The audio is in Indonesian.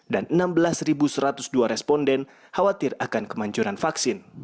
dan enam belas satu ratus dua responden khawatir akan kemanjuran vaksin